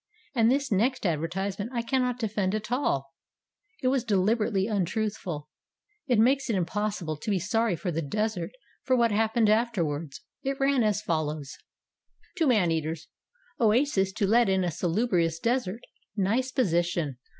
And this next advertisement I cannot defend at all; it was deliberately untruthful; it makes it im possible to be sorry for the Desert for what happened afterwards. It ran as follows : "To MAN EATERS. Oases to let in a salubrious desert. Nice position.